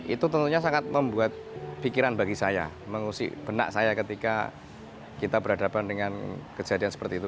itu tentunya sangat membuat pikiran bagi saya mengusik benak saya ketika kita berhadapan dengan kejadian seperti itu